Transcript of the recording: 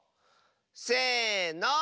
せの！